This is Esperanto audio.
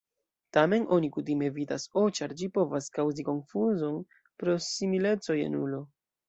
Tamen oni kutime evitas "o" ĉar ĝi povas kaŭzi konfuzon pro simileco je nulo.